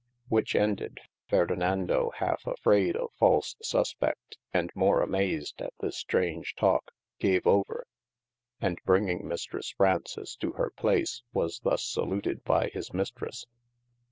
Whiche ended, Ferdinands halfe afrayd of false suspeft, and more amazed at this straunge talke, gave over, and bringing Mistresse Fraunces to hir place, was thus saluted by his Mistresse.